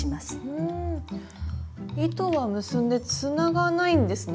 うん糸は結んでつながないんですね。